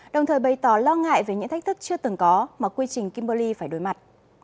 đồng thời bày tỏ lo ngại về những thách thức chưa từng có mà quy trình kimberley phải đối mặt